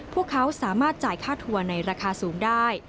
พวกเขาสามารถจ่ายค่าทัวร์ในราคาสูงได้